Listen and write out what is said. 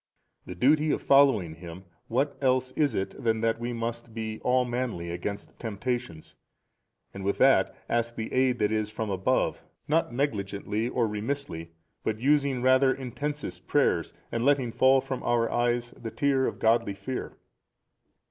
The duty of following Him, what else is it than that we must be all manly against temptations, and with that, ask the aid that is from above not negligently nor remissly but using rather intensest prayers and letting fall from our eyes the tear of godly fear?